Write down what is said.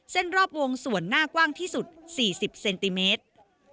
รอบวงส่วนหน้ากว้างที่สุด๔๐เซนติเมตร